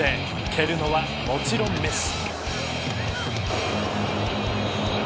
蹴るのは、もちろんメッシ。